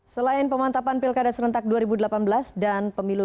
selain pemantapan pilkada serentak dua ribu delapan belas dan pemilu dua ribu sembilan belas